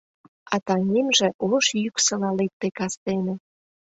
А таҥемже ош йӱксыла лекте кастене!